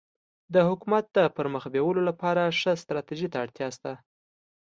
د حکومت د پرمخ بیولو لپاره ښه ستراتيژي ته اړتیا سته.